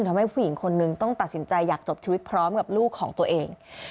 ทำให้ผู้หญิงคนนึงต้องตัดสินใจอยากจบชีวิตพร้อมกับลูกของตัวเอง